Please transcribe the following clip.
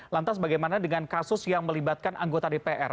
lantas bagaimana dengan kasus yang melibatkan anggota dpr